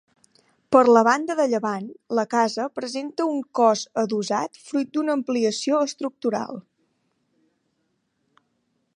Per la banda de llevant, la casa presenta un cos adossat fruit d'una ampliació estructural.